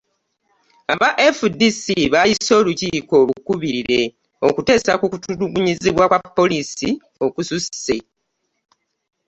Aba FDC bayise olukiiko bukubirire okuteesa ku kutulugunyizibwa kwa poliisi okususse